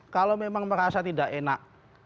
kalau memang merasa tidak enak